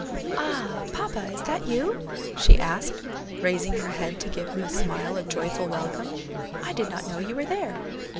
"Ah! papa, is that you?" she asked, raising her head to give him a smile of joyful welcome. "I did not know you were there."